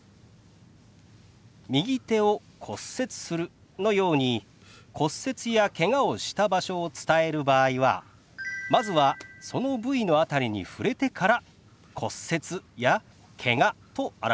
「右手を骨折する」のように骨折やけがをした場所を伝える場合はまずはその部位の辺りに触れてから「骨折」や「けが」と表しますよ。